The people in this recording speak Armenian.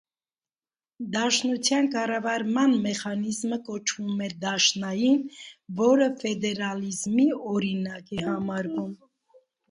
Դաշնության կառավարման մեխանիզմը կոչվում է դաշնային, որը ֆեդերալիզմի օրինակ է համարվում։